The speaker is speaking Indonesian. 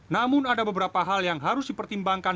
namun ada beberapa hal yang harus dipertimbangkan